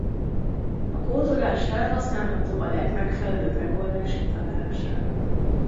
A kódolás felhasználható a legmegfelelőbb megoldás kitalálására.